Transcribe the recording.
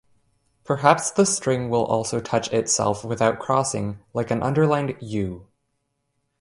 Perhaps the string will also touch itself without crossing, like an underlined "U".